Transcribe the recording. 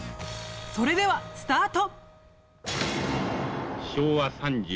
それではスタート！